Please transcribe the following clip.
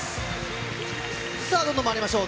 さあ、どんどんまいりましょう。